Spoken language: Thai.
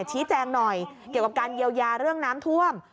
ชี้แจงหน่อยเกี่ยวกับการเยียวยาเรื่องน้ำท่วม